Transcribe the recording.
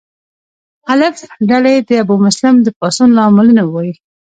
الف ډله دې د ابومسلم د پاڅون لاملونه ووایي.